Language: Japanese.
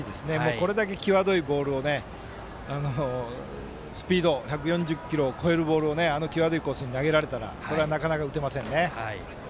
これだけ際どいボールをスピード１４０キロを超えるボールをあの際どいコースに投げられたらそりゃなかなか打てませんね。